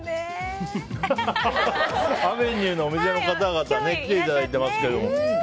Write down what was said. あべにうのお店の方々に来ていただいてますけど。